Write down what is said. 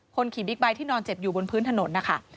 ขี่บิ๊กไบท์ที่นอนเจ็บอยู่บนพื้นถนนนะคะ